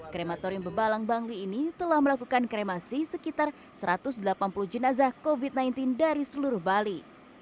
krematorium bebalang bangli ini telah melakukan kremasi sekitar satu ratus delapan puluh jenazah covid sembilan belas dari seluruh bali